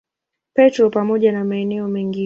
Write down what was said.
Petro pamoja na maeneo mengine.